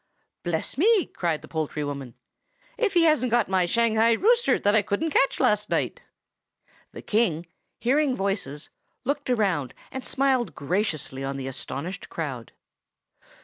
"Bless me!" cried the poultry woman. "If he hasn't got my Shanghai rooster that I couldn't catch last night!" The King, hearing voices, looked round, and smiled graciously on the astonished crowd.